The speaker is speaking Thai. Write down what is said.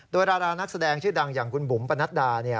โดยดารานักแสดงชื่อดังอย่างคุณบุ๋มปนัดดา